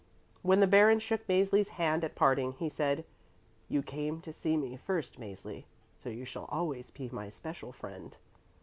When the Baron shook Mäzli's hand at parting, he said, "You came to see me first, Mäzli, so you shall always be my special friend."